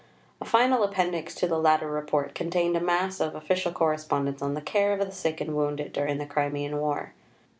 A final appendix to the latter Report contained a mass of official correspondence on the care of the sick and wounded during the Crimean War.